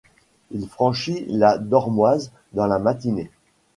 Il franchit la Dormoise dans la matinée.